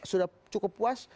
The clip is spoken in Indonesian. sudah cukup puas